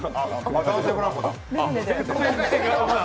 男性ブランコだ。